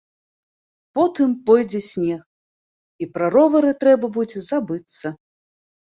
Потым пойдзе снег, і пра ровары трэба будзе забыцца.